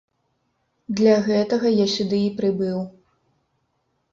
Для гэтага я сюды і прыбыў.